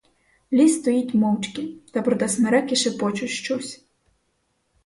Ліс стоїть мовчки, та проте смереки шепочуть щось.